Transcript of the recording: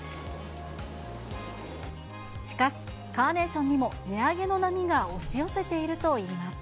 しかし、カーネーションにも値上げの波が押し寄せているといいます。